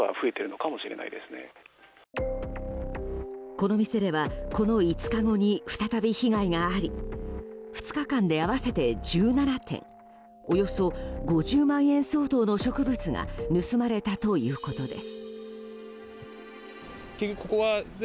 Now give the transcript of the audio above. この店ではこの５日後に再び被害があり２日間で合わせて１７点およそ５０万円相当の植物が盗まれたということです。